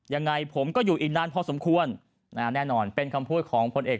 ยังไงผมก็อยู่อีกนานพอสมควรนะฮะแน่นอนเป็นคำพูดของพลเอก